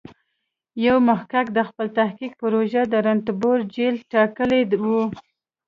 یو محقق د خپل تحقیق پروژه د رنتبور جېل ټاکلی و.